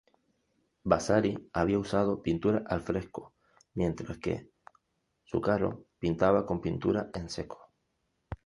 Vasari había usado "pintura al fresco" mientras que Zuccaro pintaba con "pintura en seco".